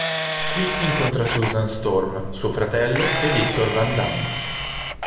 Qui incontra Susan Storm, suo fratello e Victor van Damme.